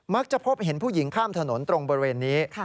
พบเห็นผู้หญิงข้ามถนนตรงบริเวณนี้